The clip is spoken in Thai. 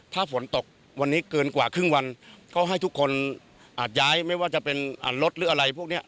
ถ้าฝนตกวันนี้เกินกว่าครึ่งวันก็ให้ทุกคนอาจย้ายไม่ว่าจะเป็นรถหรืออะไรพวกนี้